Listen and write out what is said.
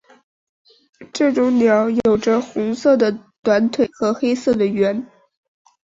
这种鸟有着红色的短腿和黑色的喙。